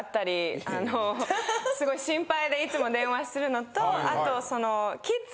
すごい心配でいつも電話するのとあと。